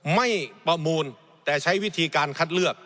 ไม่ประมูลแต่ใช้วิธีการคัดเลือก